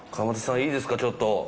川俣さんいいですかちょっと。